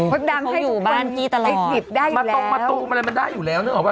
พลัดดำให้คนอีกทีปได้อยู่แล้วมันตรงมันตรงมันได้อยู่แล้วนึกออกปะ